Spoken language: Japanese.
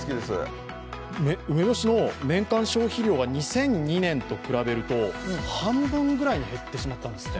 梅干しの年間消費量が２００２年と比べると半分くらいに減ってしまったんですって。